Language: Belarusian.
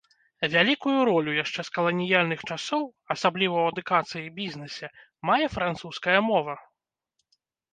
Вялікую ролю яшчэ з каланіяльных часоў, асабліва ў адукацыі і бізнесе, мае французская мова.